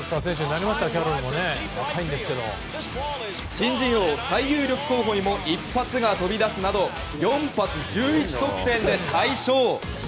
新人王最有力候補にも一発が飛び出すなど４発１１得点で大勝！